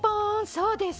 そうです。